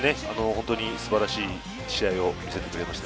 素晴らしい試合を見せてくれました。